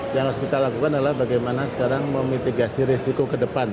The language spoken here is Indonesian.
yang harus kita lakukan adalah bagaimana sekarang memitigasi risiko ke depan